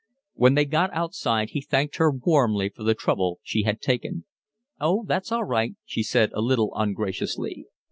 When they got outside he thanked her warmly for the trouble she had taken. "Oh, that's all right," she said, a little ungraciously.